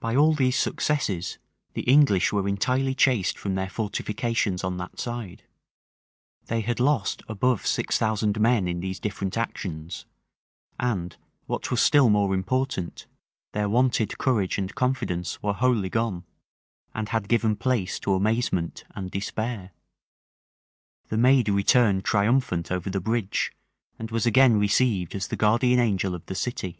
By all these successes, the English were entirely chased from their fortifications on that side: they had lost above six thousand men in these different actions; and, what was still more important, their wonted courage and confidence were wholly gone, and had given place to amazement and despair. The maid returned triumphant over the bridge, and was again received as the guardian angel of the city.